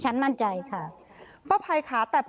ถ้าพี่ถ้าพี่ถ้าพี่ถ้าพี่ถ้าพี่